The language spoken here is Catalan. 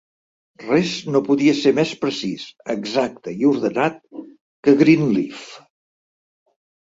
Res no podia ser més precís, exacte i ordenat que Greenleaf.